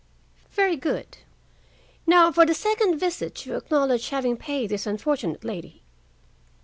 "Very good. Now for the second visit you acknowledge having paid this unfortunate lady."